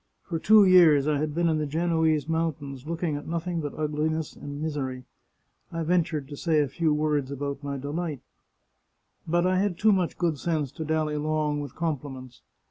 For two years I had been in the Genoese mountains, looking at nothing but ugliness and misery. I ventured to say a few words about my delight. " But I had too much good sense to dally long with com pliments.